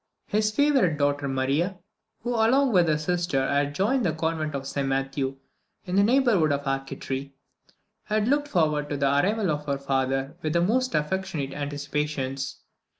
His favourite daughter Maria, who along with her sister had joined the convent of St Matthew in the neighbourhood of Arcetri, had looked forward to the arrival of her father with the most affectionate anticipations.